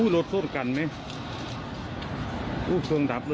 รถโทษกันไหม